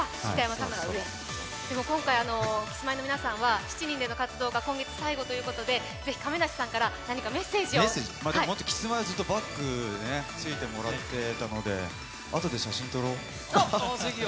でも今回、キスマイの皆さんは７人の活動が今月最後ということで、是非、亀梨さんからキスマイにはずっとバックについてもらっていたので、あとで写真撮ろう。